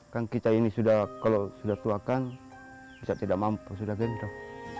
kan kita ini sudah kalau sudah tua kan bisa tidak mampu sudah gendong